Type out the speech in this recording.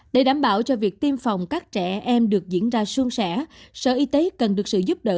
để đảm bảo cho việc tiêm phòng các trẻ em được diễn ra xuân sẻ sở y tế cần được sự giúp đỡ